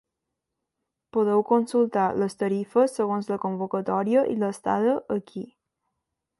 Podeu consultar les tarifes segons la convocatòria i l'estada aquí.